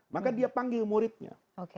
maka dia panggil muridnya